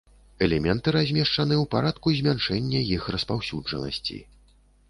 Элементы размешчаны ў парадку змяншэння іх распаўсюджанасці.